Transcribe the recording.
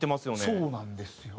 そうなんですよ。